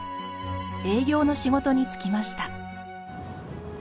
営業の仕事に就きました。